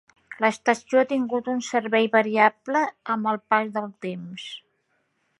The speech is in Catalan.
L'estació ha tingut un servei variable amb el pas del temps.